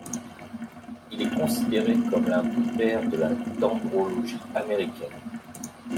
Il est considéré comme l’un des pères de la dendrologie américaine.